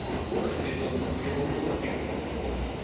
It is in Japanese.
どんなシチュエーションにも溶け込むことができます。